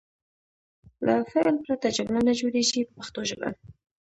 له فعل پرته جمله نه جوړیږي په پښتو ژبه.